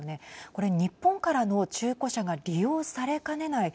これ日本からの中古車が利用されかねない